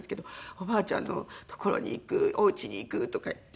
「おばあちゃんの所に行く」「お家に行く」とか言って。